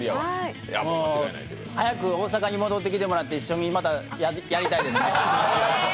早く大阪に戻ってきてもらってまたやりたいです。